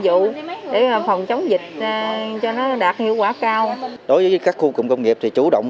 vụ để phòng chống dịch cho nó đạt hiệu quả cao đối với các khu cụm công nghiệp thì chủ động